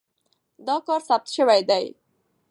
دا کار ثبت شوی دی.